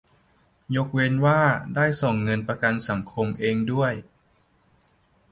ยกเว้นว่าได้ส่งเงินประกันสังคมเองด้วย